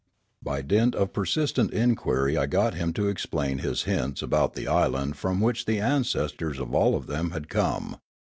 By dint of persistent inquiry I got him to explain his hints about the island from which the ancestors of all of them had come.